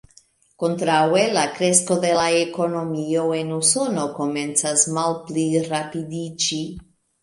Kontraŭe la kresko de la ekonomio en Usono komencas malplirapidiĝi.